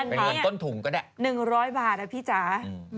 เป็นเงินต้นถุงก็ได้๑๐๐บาทนะพี่จ๋า